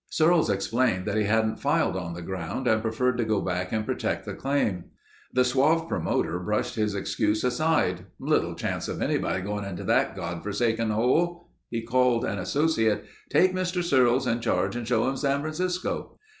Searles explained that he hadn't filed on the ground and preferred to go back and protect the claim. The suave promoter brushed his excuse aside. "Little chance of anybody's going into that God forsaken hole." He called an associate. "Take Mr. Searles in charge and show him San Francisco...."